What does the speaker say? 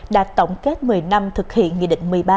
đã tổng kết một mươi năm thực hiện nghị định một mươi ba